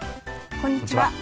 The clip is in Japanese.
こんにちは。